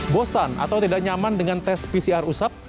bosan atau tidak nyaman dengan tes pcr usap